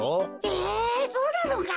えそうなのか？